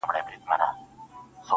مخته چي دښمن راسي تېره نه وي.